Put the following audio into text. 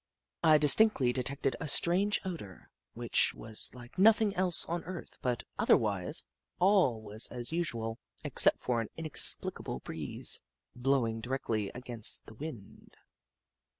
I distinctly detected a strange odour, which was like nothing else on earth, but otherwise all was as usual except for an inexplicable breeze blowing directly against the wind.